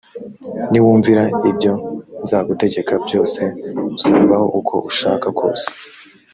niwumvira ibyo nzagutegeka byose uzabaho uko ushaka kose